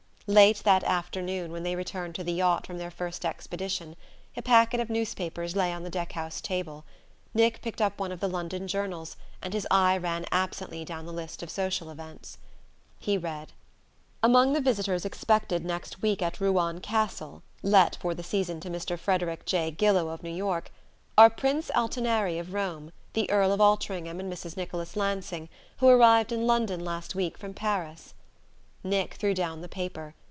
Late that afternoon, when they returned to the yacht from their first expedition, a packet of newspapers lay on the deck house table. Nick picked up one of the London journals, and his eye ran absently down the list of social events. He read: "Among the visitors expected next week at Ruan Castle (let for the season to Mr. Frederick J. Gillow of New York) are Prince Altineri of Rome, the Earl of Altringham and Mrs. Nicholas Lansing, who arrived in London last week from Paris." Nick threw down the paper.